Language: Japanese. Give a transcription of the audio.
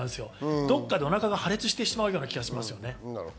どこかでお腹が破裂してしまうような気がします。